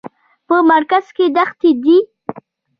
په مرکز کې دښتې دي.